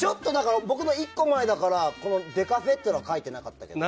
僕の１個前だからデカフェっていうのは書いてなかったけど。